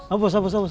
abus abus abus